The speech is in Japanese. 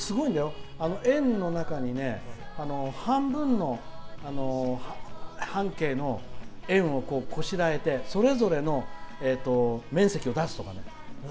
円の中に半分の半径の円をこしらえてそれぞれの面積を出すとかね。